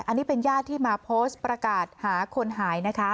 อันนี้เป็นญาติที่มาโพสต์ประกาศหาคนหายนะคะ